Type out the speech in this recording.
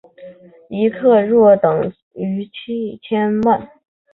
一克若等于一千万。